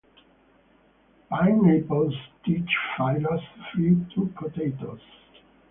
Pineapples teach philosophy to potatoes.